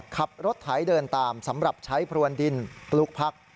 ขับรถไถเดินตามสำหรับใช้พรวนดินปลูกพัก